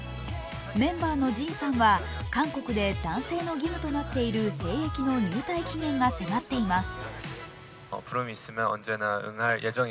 メンバーのＪＩＮさんは韓国で男性の義務となっている兵役の入隊期限が迫っています。